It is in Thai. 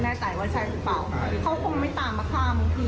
แต่หนึ่งไม่แน่ใจว่าเขาหลอกมันจะพี่หรือเปล่านะ